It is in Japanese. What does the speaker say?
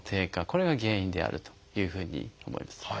これが原因であるというふうに思います。